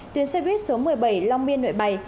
tuyến xe buýt số một mươi bảy long biên nội bài